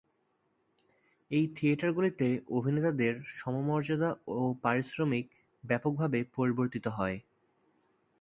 এই থিয়েটারগুলিতে অভিনেতাদের সমমর্যাদা ও পারিশ্রমিক ব্যাপকভাবে পরিবর্তিত হয়।